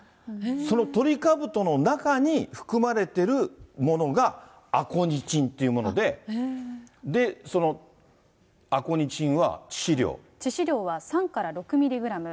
そのトリカブトの中に含まれてるものがアコニチンっていうもので、致死量は３から６ミリグラム。